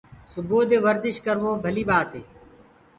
سبوودي ورجش ڪروو ڀلي ٻآتي